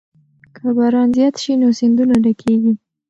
که باران زیات شي نو سیندونه ډکېږي.